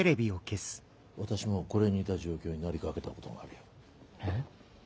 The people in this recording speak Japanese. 私もこれに似た状況になりかけたことがあるよ。え？